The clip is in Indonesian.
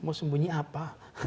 mau sembunyi apa